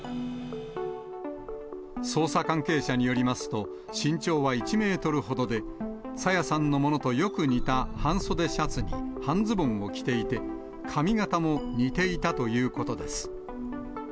捜査関係者によりますと、身長は１メートルほどで、朝芽さんのものとよく似た半袖シャツに半ズボンを着ていて、髪形も似ていたということです。